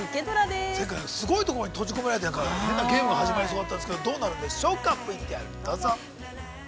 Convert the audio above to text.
すごいとこに閉じ込められてね、すごいゲームが始まりそうでしたがどうなるんでしょうかＶＴＲどうぞ。